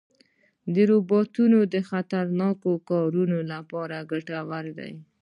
روبوټونه د خطرناکو کارونو لپاره ګټور دي.